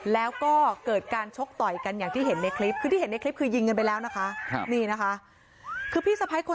แล้วก็เกิดการช็อคต่อยกันอย่างที่เห็นในคลิป